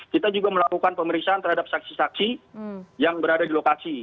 kita juga melakukan pemeriksaan terhadap saksi saksi yang berada di lokasi